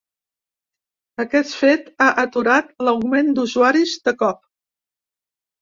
Aquest fet ha aturat l’augment d’usuaris de cop.